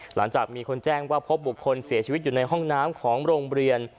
หลังจากมีคนแจ้งว่าพบบุคคลเสียชีวิตอยู่ในห้องน้ำของโรงเรียน